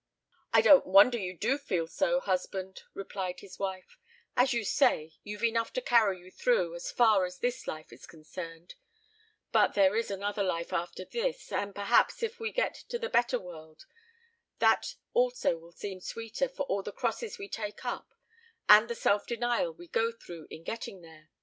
"I don't wonder you do feel so, husband," replied his wife; "as you say, you've enough to carry you through, as far as this life is concerned; but there is another life after this, and, perhaps, if we get to the better world, that also will seem sweeter for all the crosses we take up, and the self denial we go through in getting there.